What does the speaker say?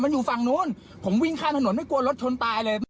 มันอยู่ฝั่งนู้นผมวิ่งข้ามถนนไม่กลัวรถชนตายเลย